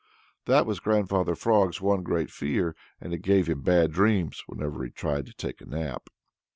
That was Grandfather Frog's one great fear, and it gave him bad dreams whenever he tried to take a nap.